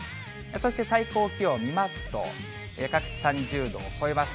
そして最高気温見ますと、各地３０度超えます。